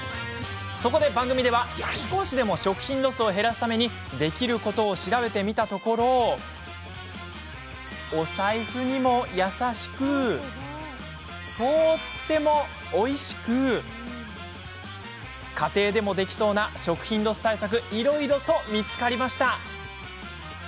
そこで、番組では少しでも食品ロスを減らすためにできることを調べてみたところ家庭でもできそうな食品ロス対策がいろいろと見つかりました。